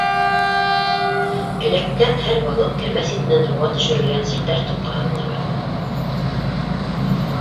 Эләккән һәр балыҡ кәмә ситенән һыуға төшөрөлгән селтәр тоҡҡа һалына барҙы.